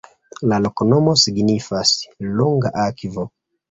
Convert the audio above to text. La loknomo signifas: longa-akvo.